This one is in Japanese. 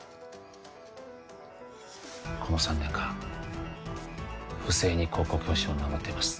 この３年間不正に高校教師を名乗っています